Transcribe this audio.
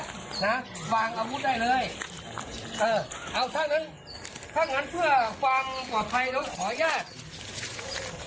นะวางกระบุได้เลยเออเอาท่านหนึ่งท่านหนึ่งเพื่อความปลอดภัยแล้วขอแยก